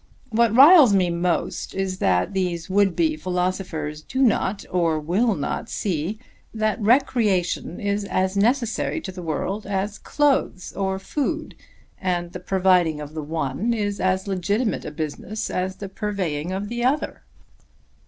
What riles me most is that these would be philosophers do not or will not see that recreation is as necessary to the world as clothes or food, and the providing of the one is as legitimate a business as the purveying of the other."